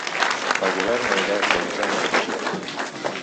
El govern anirà actualitzant la informació.